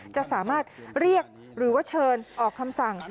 จะสามารถเรียกหรือว่าเชิญออกคำสั่ง